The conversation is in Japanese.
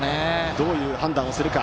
どういう判断をするか。